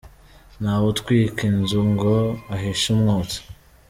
Ntawe utwika inzu ngo ahishe umwotsi.